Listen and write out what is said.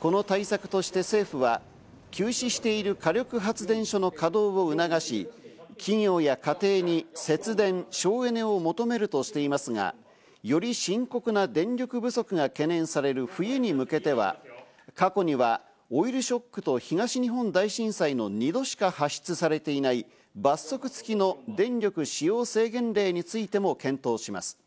この対策として政府は、休止している火力発電所の稼働を促し、企業や家庭に節電・省エネを求めるとしていますが、より深刻な電力不足が懸念される冬に向けては、過去にはオイルショックと東日本大震災の２度しか発出されていない、罰則付きの電力使用制限令についても検討します。